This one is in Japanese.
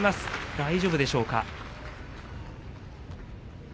大丈夫でしょうか。